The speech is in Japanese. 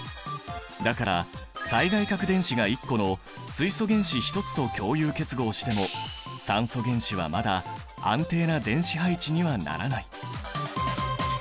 だから最外殻電子が１個の水素原子１つと共有結合しても酸素原子はまだ安定な電子配置にはならない。